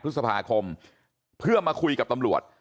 พฤษภาคมเพื่อมาคุยกับตำรวจ